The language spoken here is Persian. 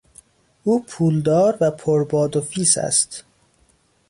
او پولدار و پر باد و فیس است.